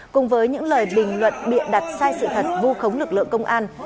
cùng với những lời bình luận bịa đặt sai sự thật vu khống lực lượng công an